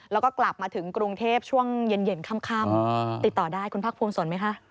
แล้วก็กลับมาถึงกรุงเทพช่วงเย็นค่ำติดต่อได้คุณภาคภูมิสนไหมคะ